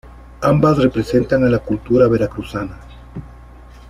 Ambas representan a la cultura veracruzana.